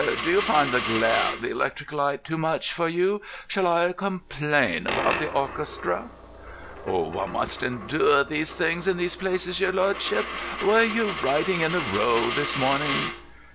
"Do you find the glare of the electric light too much for you? Shall I complain about the orchestra?" "One must endure these things in these places, your lordship. Were you riding in the Row this morning?"